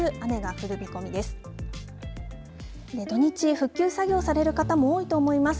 復旧作業される方も多いと思います。